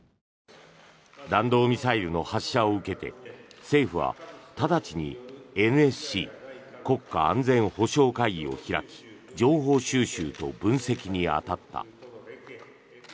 弾道ミサイルの発射を受けて政府は直ちにＮＳＣ・国家安全保障会議を開き情報収集と分析に当たった。